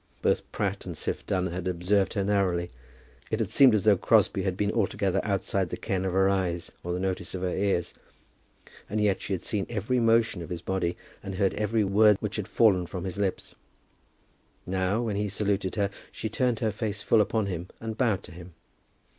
Both Pratt and Siph Dunn had observed her narrowly. It had seemed as though Crosbie had been altogether outside the ken of her eyes, or the notice of her ears, and yet she had seen every motion of his body, and had heard every word which had fallen from his lips. Now, when he saluted her, she turned her face full upon him, and bowed to him.